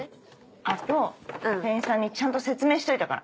あと店員さんにちゃんと説明しといたから。